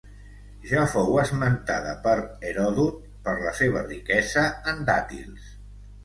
Ja fou esmentada per Heròdot per la seva riquesa en dàtils.